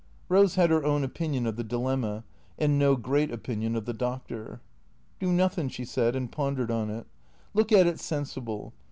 Eose had her own opinion of the dilemma, and no great opin ion of the Doctor. " Do nothin'," she said, and pondered on it. " Look at it sensible.